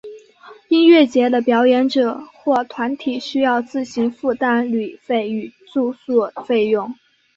音乐节的表演者或团体需要自行负担旅费与住宿费用。